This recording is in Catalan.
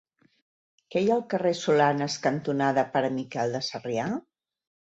Què hi ha al carrer Solanes cantonada Pare Miquel de Sarrià?